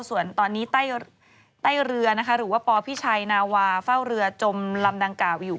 ส่วนตอนนี้ใต้เรือนะคะหรือว่าปพิชัยนาวาเฝ้าเรือจมลำดังกล่าวอยู่